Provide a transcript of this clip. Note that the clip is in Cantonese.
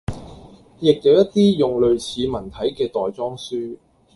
亦有一啲用類似文體嘅袋裝書